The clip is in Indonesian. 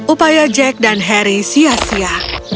upaya jack dan harry sia sia